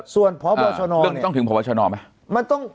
ส่วนพอบชนเรื่องต้องถึงพอบชนมั้ย